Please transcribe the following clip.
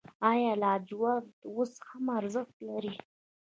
آیا لاجورد اوس هم ارزښت لري؟